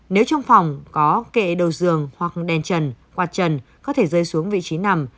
nếu trong phòng có kệ đầu giường hoặc đèn trần quạt trần có thể rơi xuống vị trí nằm